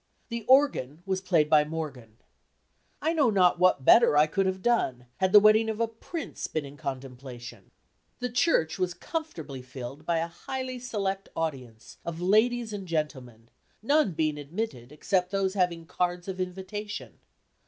The organ was played by Morgan. I know not what better I could have done, had the wedding of a prince been in contemplation. The church was comfortably filled by a highly select audience of ladies and gentlemen, none being admitted except those having cards of invitation.